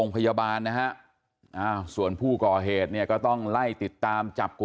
เพราะว่าทุกคนเขาก็